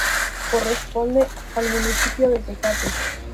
Corresponde al municipio de Tecate.